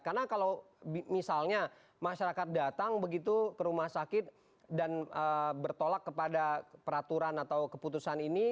karena kalau misalnya masyarakat datang begitu ke rumah sakit dan bertolak kepada peraturan atau keputusan ini